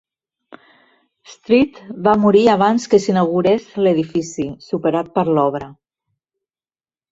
Street va morir abans que s'inaugurés l'edifici, superat per l'obra.